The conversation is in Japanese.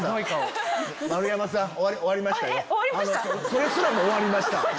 それすらも終わりました。